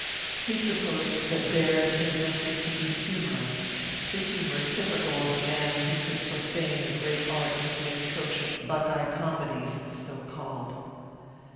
He supposed that Baird had meant this to be humorous, the humour typical of a man who could profane a great art with the atrocious Buckeye comedies, so called.